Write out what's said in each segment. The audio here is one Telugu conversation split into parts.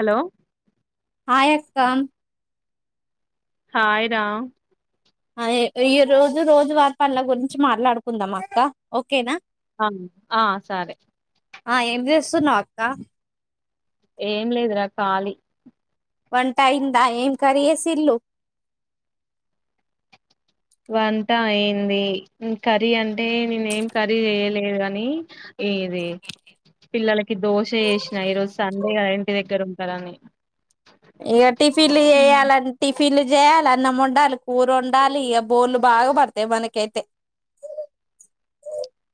హలో హాయ్ అక్క హాయ్ రా ఈ రోజు రోజు వార్ పనుల గురించి మాట్లాడుకుందాం అక్క ఓకేనా ఆ ఆ సరే న్నావ్ అక్క ఏం లేదురా ఖళీ వంట అయిందా ఏం కరీ చేసిల్లు వంట అయింది కర్రీ అంటే నేనే ఏం కర్రీ చేయలేదు గని ఇ ఇది పిల్లలకి దోశ చేసినా ఈరోోజు సండేగద ఇంటి దగ్గర ఉంటరని ఇగ టిఫిన్లు చెయ్యాలన్ టిఫ్ ఫిల్ చేయాలి అన్నం వండాలి కూర వండాలి ఇ బోర్లు బాగా పడతాయి మనకైతే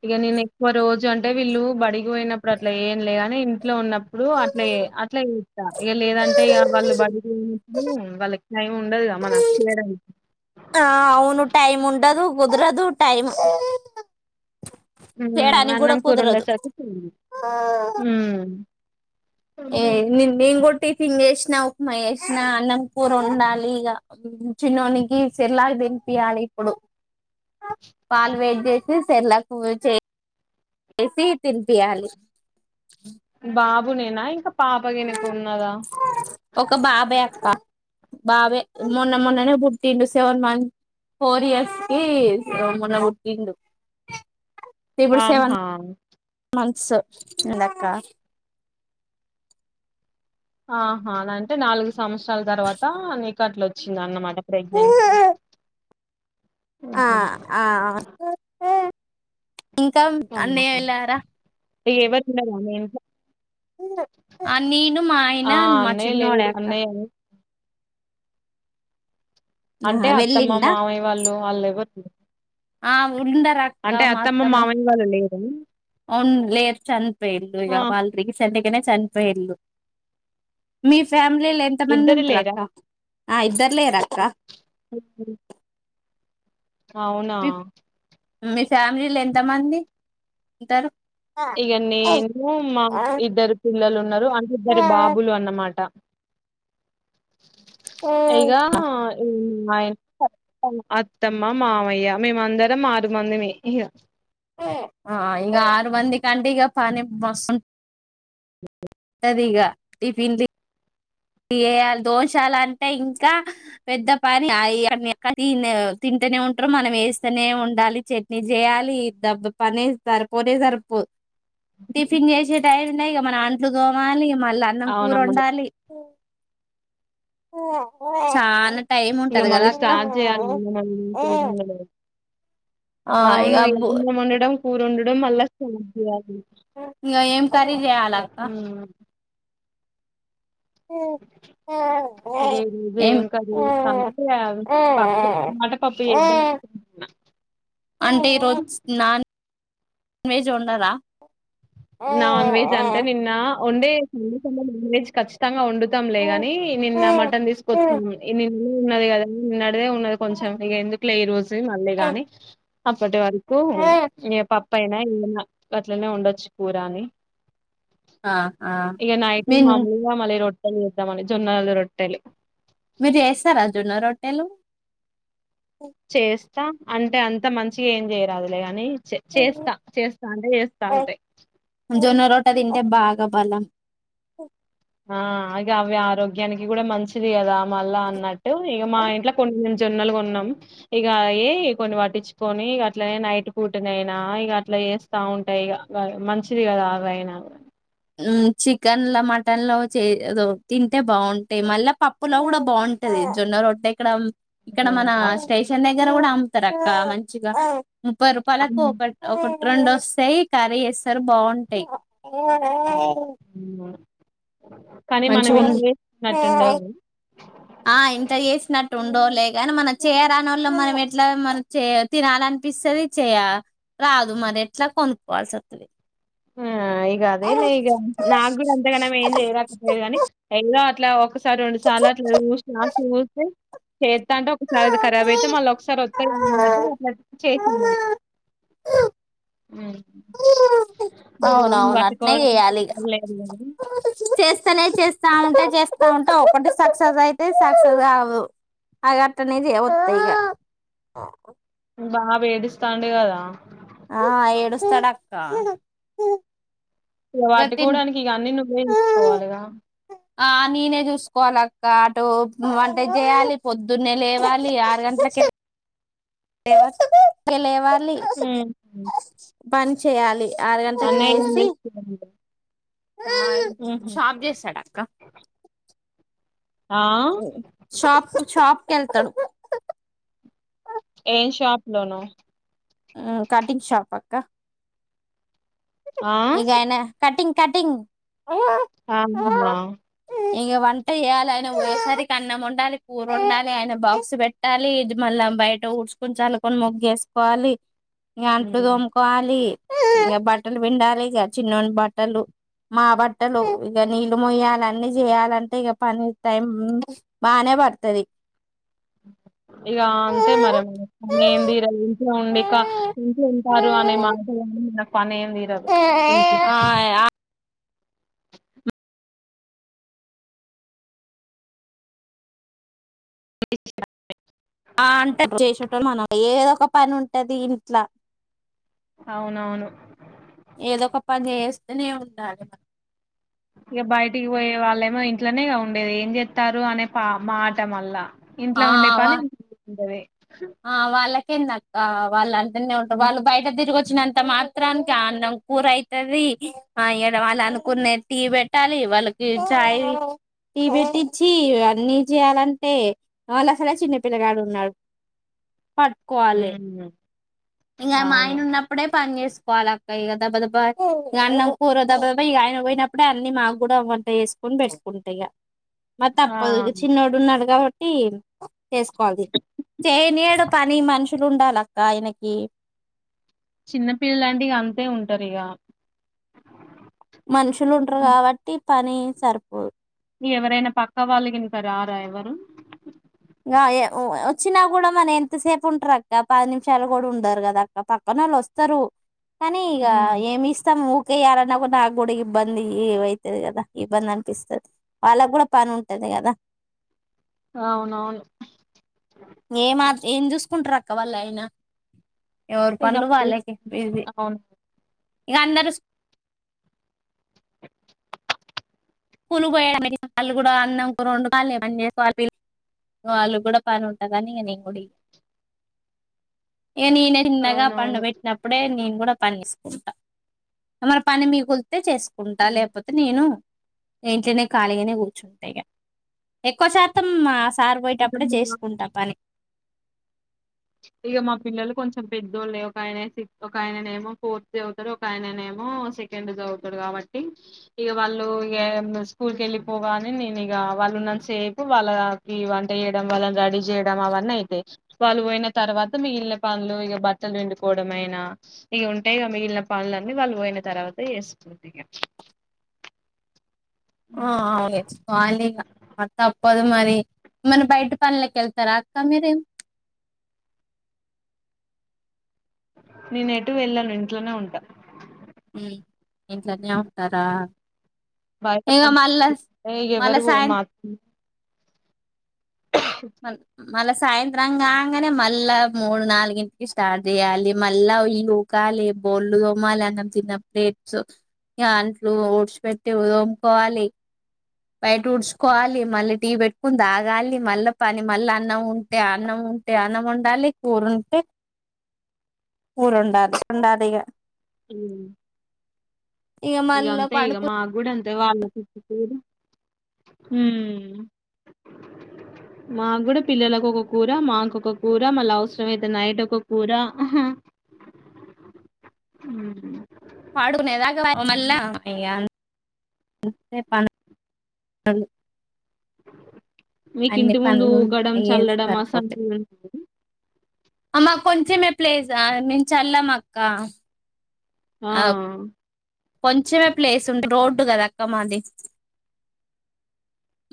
ఇక నేను ఎక్కువ రోజు అంటే వీళ్ళు బడిగిపో పోయినప్పుడు అట్లా ఏం లేగాని ఇట్లో ఉన్నప్పుడు అట్లె అట్లాచేస్త ఇక లేదంటే ఇక వాళ్ళు బడిప్పు వాళ్ళకి టైం ఉండదు గ మనకు చేయడానికి ఆ అవును టైం ఉండదు కుదరదు టైం మ్ హుమ్ చేయడానికి కూడా అన్నం కుదరదు కూరొండెసరికి మ్. ఏ నిన్ను నేను కొట్టి తింగేసినా ఉప్మా వేసిన అన్నం కూూర వండాలి ఇక చిన్నోనికి సిర్లాకు తినిపియాలి ఇప్పుడు పాలు వేడి చేసి సిర్లాకు చేసి తినిపియాలి బా గునేనా ఇంకా పాపగనకు ఉన్నదా ఒక బాబే అక్క బాబే మొన్న మొన్ననే పుట్టిండు సెవెన్ మంత్ ఫోర్ ఇయర్స్ కి మొన్న పుట్టిండు ఆహా సందకా [unintelligible] ఆహా అంటే నాలుగు సంవత్సరాల తర్వాత అట్ల వచ్చింద అన్నమాట ప్రెగ్నెన్సీ ఆ హుహు. ఆ ఇంకా అన్నయ్య వెళ్ళారా ఎవరు లేరా మీ ఎనక ఆ నేను మా ఆయన ఆ! మా అన్నయ్య లేడు. చిన్నోడు [unintelligible] అన్నయ్య ఆహా అంటే అత్తమ్మ వెళ్ళిండా మామయ్య వాళ్ళు వాళ్ళు ఎవరు స ఆ ఉండారు అక్క మా అత్తమ్మ మామయ్య వాళ్ళు లేరా? ఉంలేర్ చనిపోయిండ్రు ఆ! [unintelligible] పొయ్యిండు మీ ఫేమి ఫ్యామిలీలు ఎంత మంది ఇద్దరు ఉంటరు లేరా? అక్క ఆ ఇద్దర్లేక్క అ అవునా మీ మీ ఫ్యామిలీలు ఎంత మంది ఉంటారు ఇక నేను మా ఇద్దరు పిల్లలున్న రు అంటె ఇద్దరు బాబులు అన్నమాట ఇగా మా ఇం అత్తమ్మ మామయ్య మేమందరం ఆరు మందిమి ఇగ ఆ ఇక ఆరు మంది కంటే ఇక పని మస్తు ఉం అ అది ఇగ టిఫిన్ లు చేయాలి దోషాలు అంటే ఇంకా పెద్ద పని అయి తిన తింటూనే ఉంటారు మనం వేస్తూనే ఉండాలి చట్నీ చేయాలి దబ్బ పని సరిపోనే సరిపో టిఫిన్ చేసి టైనునయ్ ఇగ మనం అంట్లు తోమాలి మ లా అన్నం అవునవును. కూరొండాలి ఓ చాలా టైం ఇక ఉంటది కదా మళ్ళీ అక్క స్టార్ట్ చేయాలి అన్నం వండడం కూర వండడం ఆ ఇగ అవును బు ఎది ముండడం కురుండడం మళ్ళ [unintelligible] ఇంగ ఎమ్ పని చేయాలా అక్క ఇగ ఈ రోజు ఏం కర్రీ చేస్తంటే పప్పు టమాట పప్పు చేదాం అనుకుంటున్న అంటే ఈరోజు నాన్ వెజ్ వొండరా నాన్ వెజ్ అంటే నిన్న ఉండే [unintelligible] నాన్ వెజ్ ఖచ్చితంగా వొండు తం లే గాని నిన్న మటన్ తీసుకొచ్చిన్ నిన్ ఉ ఉన్నది కదాని ఉన్నడ్ దే ఉన్నది కొంచెం ఇగ ఎందు ట్లే ఈ రోజు మళ్ళీ గాని అప్పటి వరకు ఈ పప్ పైన ఎందనా గట్లనే ఉండొచ్చు కూరా అని ఆ ఆ మీన్ రొట్ట లు చేదాం జొన్నాలది రొట్టేలే మీరు చేస్తారా జోన్న రొట్టలు చేస్ అంటే అంత మంచిగా ఏం చేయరాదులే ని చేస్తా చేస్తా అంటే చేస్తా అంటే గా బలం ఆ అగే అవి ఆరోగ్యానికి కూడా మంచిది కదా మళ్ళా అన్న టు ఇగ మా ఇంట్లో కొన్ని జొన్నలు కొన్నాం ఇక అ కొన్ని పటించుకొని ఇక అట్ల నైట్ పూటన అయినా ఇక అట్లా చేస్తా ఉంటాయి ఇ మంచిది కదా అగ అయినా హ్మ్ చికెన్ లో మటన్ లో చే తింటే బాగుంటాయి మళ్ళా పప్పులో కూడా బాగుంటది జొన్న రొట్టె ఇక్కడ ఇక్కడ హ్మ్. మన అ స్టేషన్ దగర కూడా అమ్ముతారు అక్క మంచిగా ముప్పై రూపాయలకు హ్మ్. ఒక ఒక రెండు వస్తాయి కర్రీ చేస్తారు బాగుంటాయి హ్మ్. కానీ మంచి మనం ఇంత చేస్తున్నట్టుండదు ఆ ఇంట్లో చేసినట్టు ఉండో లేగాని మనం చేయరాని వాళ్ళ మనం ఎట్లా మన చేయ తినాలనిపిస్తుంది చేయ రాదు మరి ఎట్లా కొనుక్కోవాల్సి వస్తుంది హ్మ్మ్ ఆ ఈగ అదే ఇల్ ఈ నాగ అంతగాం ఏం జయరాకగానినీ ఎ లా ఒక సార్ రండు సాలట్లు చసి నాస్ చూస్తే చేస్తా అంటే ఒకసారిది ఖరాబ్ అయితే మళ్ళీ ఒకసారి వత్తన్నట్ అట్లా చేసిండ అవున అవున అట్నే చేయాలిగా ఎవరు లేరు గదా చేస్తానే చేస్తా ఉంటే చేస్త ఉంటా ఒకటి సక్సెస్ అయితే సక్సెస్ కావు అ గట్ట అనేది వస్తా ఇక బాబు ఏడుస్తున్నాడు కదా ఆ ఏడుస్తాడక్క ఇక ఇగ తిన్ వాటికోవడానికి ఇక అన్ని నువ్వే తీసుుకోవాలిగా ఆ నేనే చూసుకోవాలి అక్క అటు అంటే చేయాలి పొద్దున్నే లేవాలి ఆరు గంటలకి లేవాలి ఇ హ్మ్ పని చేయాలి ఆరు గంటలకి అన్నయ ఏండి లేసి షాప్ చేసాడ అక్క ఆ షాప్స్ షాప్ కళ్తాడు ఏం షాప్ లోనూ కటింగ్ షాప్ అక్క ఆ ఇగనా కటింగ్ కటింగ్ ఓ ఆా ఇంక వంట చేయాలి ఆయన వేసరి కన్నం ఉండాలి పూర ఉండాలి ఆయన బాక్స్ పెట్టాలి ఇది మళ్ళా బయట ఊడ్ుకొని చలుకొని మొగ్గుేసుకోవాలి ఇ అంట్లు హ్మ్ దోముకోవాలి బట్ బట్టలు విండాలి ఇక చిన్నన్నడు బట్టలు మా బట్టలు ఇక నీళ్లుు మొయ్యాలి అన్న చేయాలంటే ఇక పని టైం బానే పడుతుది ఇక అంతే మరనీ ఏంది ర ఇంచే ఉండి ఇక ఇంచి ఉంటారు అనే మాటలు మనకు పని రా ఇంకా ఆ అషా ఆ అంటే చేసటం మనం ఏదో ఒక పని ఉంటది ఇంట్లా అవునవును ఏదో ఒక పని చేస్తూనే ఉండాలి ఇక బయటికి పోయే వాళ్ళేమో ఇంట్లోనే ఉండేది ఏం చెస్తారు అనే పా మాట మళ్ళ ఇంట్లో ఉండే ఆ పని ఇంట్ండేవి ఆ వాళ్ళకి కింద వాళ్ళ అ ఉ హ్మ్. వాళ్ళ బయట తిరు వచ్చినంత మాత్రానికి అన్నం కూర అవుతుది ఆ ఇడ వాళ్ళు అనుకునే టీ పెట్టాలి వాళ్ళకి చాయ్ టీ పెట్టించి అన్నీ చేయాలంటే వాళ్ళ అసలు చిన్న పిల్లగాడు ఉన్నాడు ప కోవాలి హ్మ్. ఇంకా మా అవును ఆయన ఉన్నప్పుడే పని చేసు పాలక్క ఇక దెబ దబ్బా ఇ అన్నం కూర దెబదబ్బా ఇక ఆయన పోయినప్పుడే అన్ని మాకు కూడా అమంట వేసుకొని పెట్టుకుంటా ఇక మ ఆ తప్పదు చిన్నోడు ఉన్నాడుగా తన్ చేసుకోవాలి చేనేడు పని మనుషులు ఉండాలిక్క ఆయనకి చిన్నపిల్లలాంటి అంతే ఉంటారు ఇక మనుషులు ఉంటారు కాబట్టి పని సరిపో ఎవరైనా పక్క వాళ్ళుకి ఇంకా రారా ఎవరు గా వచ్చినా కూడా మన ఎంతసేపు ఉంటారు అక్క పది నిమిషాలు కూడా ఉండరు కదా అక్క పక్కన వాళ్ళు వస్తారు కానీ ఇగ హ్మ్. ఏమి ఇస్తాము ఇయాలన్నా కూడా నాకు కూడా ఇబ్బంది ఏ అవుతుది కదా ఇబ్బంది అనిపిస్తుంది వాళ్ళకి కూడా పని ఉంటది కదా అవునవును ఏ మా ఏం చూసుకుంటారు అక్క వాళ్ళు అయిన ఎవరు ఇగ పనులు వాళ్ళకి బిజీ ఇక అందరు స్కూలుకి పోయా వాళ్ళు కూడా అన్నం కూర వండుకోవాలి పని చేసుకోవాలివాళ్ళు కూడా పని ఉంటదని ఇక నేను కూడా ఇ నేను ఈయన చిన్నగా పండ అవునవును పెట్టినప్పుడే నేను కూడా పనిచేసుకుంటా మరి పని మిగిలి తే చేసుకుంటా లేకపోతే నేను ఇంట్లోనే ఖాళీగానే కూర్చుంటా ఇగ ఎక్కువ శాతం ఇక సార్పోయేటప్పుడే మా చేసుకుంటా పని ఇగ మా పిల్లలు కొంచెం పెద్దోళ్ళు ఒక ఆయన సి ఒక ఆయననేమో ఫోర్త్ చదువుతాడు ఒక ఆయననేమో సెకండ్ చదువుతాడు కాబట్టి ఇగ వాళ్ళు స్కూల్ క వెళ్ళిపోగానే నేను ఇక వాళ్ళున్న సేపు వాళ్ళకి వంట చేయడం వాళ్ళని రెడీ జెయ్డం అవన్నైతయ్. విల్లు పొయ్నక్ తర్వాత మగిల్న పన్లు ఇగ బట్టల్ పిండుకోడమైనా ఇగ ఉంటయ్గ మిగిల్న పన్లన్ని వాళ్ పొయ్న తర్వాత జేస్గుంటిగ. ఆ ఔను ఎచ్చుకోవాలిగ అ తప్పదు మరి. [unintelligible] మన బైట పన్లకెళ్తరాక్క మీరేమ్ నేనెటూ వెళ్ళను ఇంట్లోనే ఉంట. ఇంట్లనే ఉంటారా. బైట ఇగ పని మళ్ళా ఏ మళ్ళా ఎవరూ పోర్ సాయం మాత్త [unintelligible] మన్ మ్ మళ్ళ సాయంత్రం గాంగనె మళ్ళా మూడు నాలుగింటికి స్టాట్ జెయ్యాలి మళ్ళా ఇల్లూకాలె బోల్లు దోమాలె అన్నం తిన్న ప్లేట్స్ ఇగ అంట్లు ఉ ఊడ్షిపెట్టి ఇవి దోముకోవాలి బైటూడ్ష్కోవాలి మళ్ళీ టీ బెట్కోన్ దాగాలి మళ్ళ పని మళ్ళ అన్నముంటె అన్నముంటె అన్నమొండాలి కూరుంటె కూరొండాలి ఉండాలిగ ఊమ్. ఇగ మల్ల పడుకు పెద్ద వాళ్ళకొక కూర ఊమ్ మాగ్గూడ పిల్లలకొక కూర మాకొక కూర మళ్ళ అవసరమైతె నైటొక కూర ఊమ్ పాడుకునేదాక ఒ మళ్ళా ఇగ [unintelligible] మీకింటి ముందు పనులు ఊకడం అయ్యే చల్లడం సరిపోతాయి అసంటువి అమ్మ కొంచమే ప్లేస్ ఆ మేమ్ చల్లమక్క. ఆ ఔ కొంచమే ప్లేసుంటె రోడ్ [unintelligible] కదక్క మాది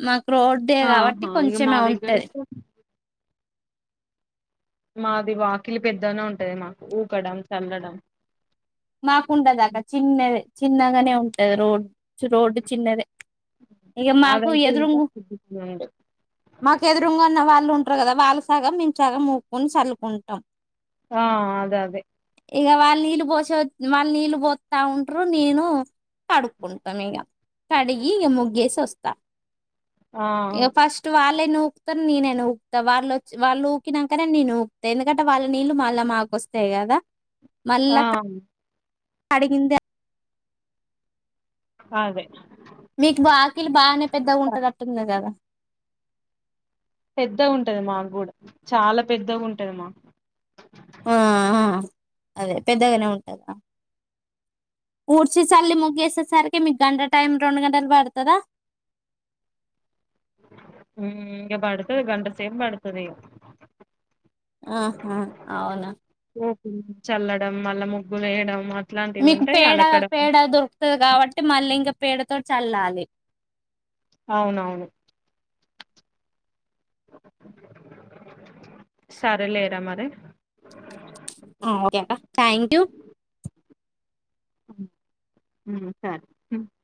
మా రోడ్డే గాబట్టి ఆహా ఇక మా కొంచెమే దగ్గర ఉంటది. మాది వాకిలి పెద్దగనే ఉంటది మాకు ఊకడం సల్లడం. మాకుండదక చిన్నది చిన్నగనే ఉంటది రోడ్ చ్ రోడ్డు చిన్నదె. ఇగ మాకు అదైతే ఇంకా ఎదురుంగు ఉండు మాకెదురుంగున్న వాళ్ళు గదా వాళ్ళు సగం మేమ్ సగం ఊకోన్ సల్లుకుంటం ఆ అదె అదె ఇగ వాల్ నీళ్ పోసొ వాల్ నీల్ బోత్ తా ఉంట్రు నేను కడుక్కుంటమిగ కడిగి ఇగ ముగ్గేసొస్త. ఆ ఇగ ఫస్ట్ వాళ్లే నూ త నేను ఊకుతా వాళ్ళుచ్చ వాళ్ళు ఊకినాకనే నేను ఊకుతా ఎందుకంటే వాళ్ళ నీళ్ళు మళ్ళా మాకు వస్తాయి కదా ఆ అడగిందె అ అదే మీకు బాకిీలు బానే పెద్దగా ఉంటారు అట్టు కా కదా పెద్ద ఉంటది మాకూడాూ చాలా పెద్దగా ఉంటది మా ఆ అదే పెద్దగానే ఉంటదా ఊడ్చేసల్లి ముగ్గేసేసరికి మీక్ గంట టైం రెండు గంటలు పడుతదా ఉమ్ ఇకా పడుతది గంట సేప్ పడుతది ఆహ అవునా చల్లడం మళ్ళా ముగ్గులు వేయడం అట్లాంటివి మీకు ఉంటాయి పేడ అలకడం పేడ దొరుకుతది కాబట్టి మళ్ళీ ఇంకా పేడతో చల్లాలి ని అవునవును సరేలేరా మరి అ ఓకె థ్యాంక్ ూ ఉమ్ సరె